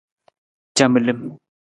Camilim.